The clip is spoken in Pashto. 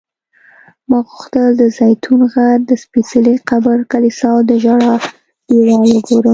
ما غوښتل د زیتون غر، د سپېڅلي قبر کلیسا او د ژړا دیوال وګورم.